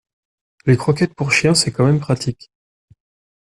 Les croquettes pour chien c'est quand même pratique.